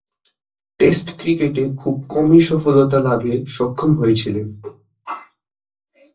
Test ক্রিকেটে খুব কমই সফলতা লাভে সক্ষম হয়েছিলেন।